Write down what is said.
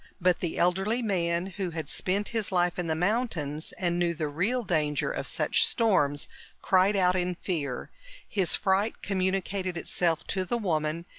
But the elderly man, who had spent his life in the mountains and knew the real danger of such storms, cried out in fear. His fright communicated itself to the woman